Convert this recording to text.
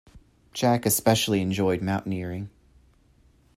Jack especially enjoyed mountaineering.